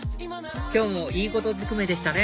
今日もいいことずくめでしたね